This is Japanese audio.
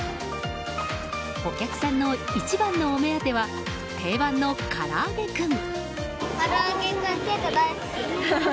お客さんの一番のお目当ては定番のからあげクン。